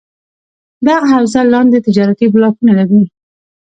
دغه حوزه لاندې تجارتي بلاکونه لري: